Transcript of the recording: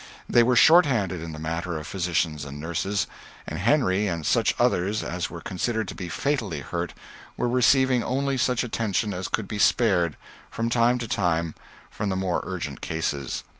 They were short handed in the matter of physicians and nurses; and Henry and such others as were considered to be fatally hurt were receiving only such attention as could be spared, from time to time, from the more urgent cases.